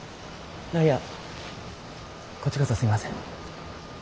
いやこっちこそすいません。